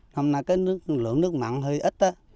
hôm nay lượng nước mặn hơi ít